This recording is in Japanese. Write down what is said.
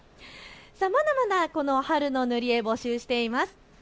まだまだこの春の塗り絵、募集しています。